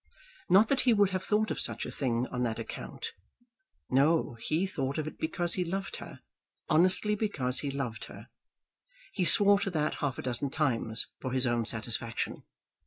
Not that he would have thought of such a thing on that account! No; he thought of it because he loved her; honestly because he loved her. He swore to that half a dozen times, for his own satisfaction.